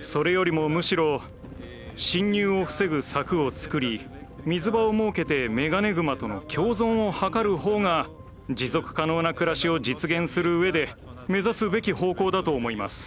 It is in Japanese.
それよりもむしろ侵入を防ぐ柵を作り水場を設けてメガネグマとの共存を図るほうが持続可能な暮らしを実現するうえで目指すべき方向だと思います。